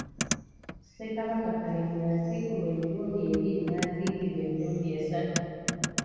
Ssekabaka Kalema yaziikulwa emirundi ebiri, n’aziikibwa emirundi esatu.